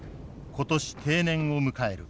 今年定年を迎える。